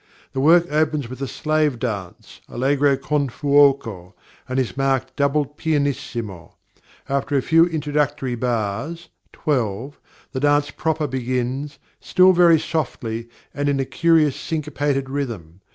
The work opens with a slave dance, allegro con fuoco, and is marked double pianissimo. After a few introductory bars (twelve), the dance proper begins, still very softly and in a curious syncopated rhythm.